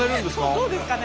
どうですかね？